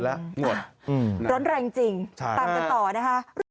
แล้วหมดแรงจริงต่อนะคะ